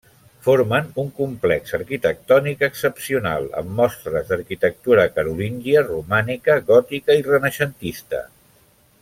Formen un complex arquitectònic excepcional, amb mostres d'arquitectura carolíngia, romànica, gòtica i renaixentista.